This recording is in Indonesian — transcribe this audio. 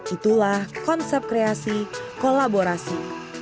itulah konsep kreasi kolaborasi